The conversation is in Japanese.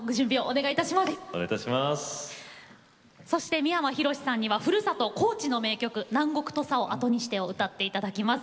三山ひろしさんにはふるさと、高知の名曲「南国土佐を後にして」を歌っていただきます。